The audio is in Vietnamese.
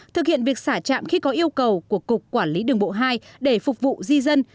thực hiện việc xả trạm khi có yêu cầu của cục quản lý đường bộ hai để phục vụ di dân